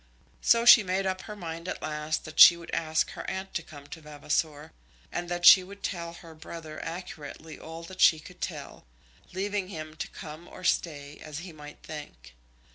So she made up her mind at last that she would ask her aunt to come to Vavasor, and that she would tell her brother accurately all that she could tell, leaving him to come or stay, as he might think.